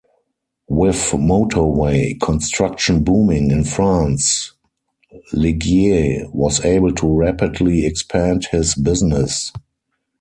With motorway construction booming in France, Ligier was able to rapidly expand his business.